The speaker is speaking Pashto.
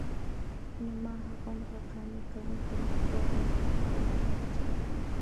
نو ما هغومره قانع کوونکی ځواب نسوای ورکولای لکه چې لازم وو.